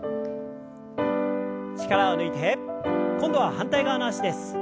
力を抜いて今度は反対側の脚です。